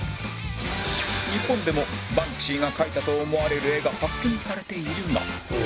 日本でもバンクシーが描いたと思われる画が発見されているが